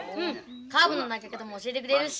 カーブの投げ方も教えてくれるし。